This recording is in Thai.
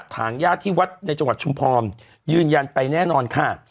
ถางย่าที่วัดจังหวัดชุมพรอยยืนยันไม่แน่นอนค่ะ